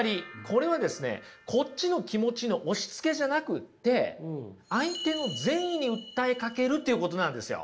これはこっちの気持ちの押しつけじゃなくて相手の善意に訴えかけるということなんですよ。